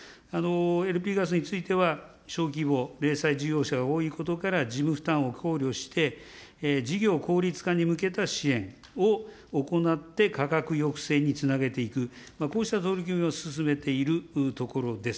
ＬＰガスについては、小規模、零細事業者が多いことから、事務負担を考慮して、事業効率化に向けた支援を行って価格抑制につなげていく、こうした取り組みを進めているところです。